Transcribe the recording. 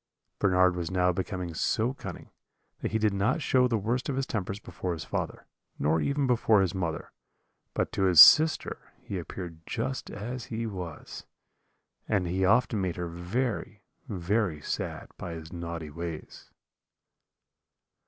"Bernard was now become so cunning that he did not show the worst of his tempers before his father, nor even before his mother; but to his sister he appeared just as he was, and he often made her very, very sad by his naughty ways.